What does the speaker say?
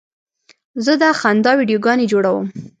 زه د خندا ویډیوګانې جوړوم.